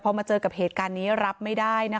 เพราะไม่เคยถามลูกสาวนะว่าไปทำธุรกิจแบบไหนอะไรยังไง